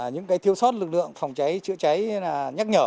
những cái thiếu sót lực lượng phòng cháy chữa cháy là nhắc nhở